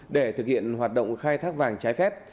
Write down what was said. để thực hiện hoạt động khai thác vàng trái phép